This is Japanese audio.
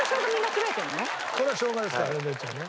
これはしょうがですからね哲ちゃんね。